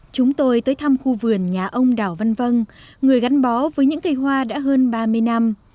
chúng tôi tới thăm khu vườn nhà ông đào văn vân người gắn bó với những cây hoa đã hơn ba mươi năm